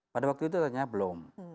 pada waktu itu ternyata belum